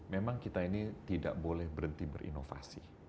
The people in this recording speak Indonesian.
memang kita ini tidak boleh berhenti berinovasi